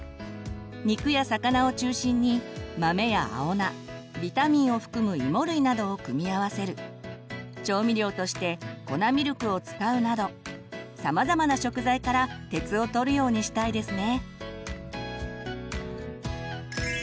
肉や魚を中心に豆や青菜ビタミンを含むいも類などを組み合わせる調味料として粉ミルクを使うなどさまざまな食材から鉄をとるようにしたいですね。